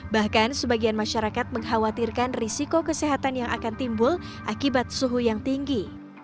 bahkan sebagian masyarakat mengkhawatirkan risiko kesehatan yang akan timbul akibat suhu yang tinggi